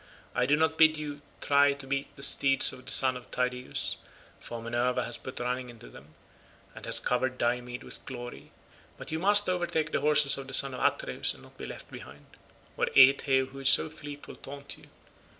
I do not bid you try to beat the steeds of the son of Tydeus, for Minerva has put running into them, and has covered Diomed with glory; but you must overtake the horses of the son of Atreus and not be left behind, or Aethe who is so fleet will taunt you.